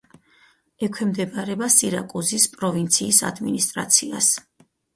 ექვემდებარება სირაკუზის პროვინციის ადმინისტრაციას.